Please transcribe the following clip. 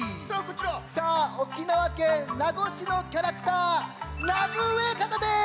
さあ沖縄県名護市のキャラクター名護親方です！